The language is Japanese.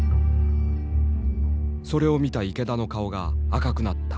それを見た池田の顔が赤くなった。